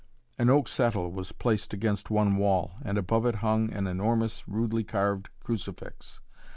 An oak settle was placed against one wall, and above it hung an enormous, rudely carved crucifix.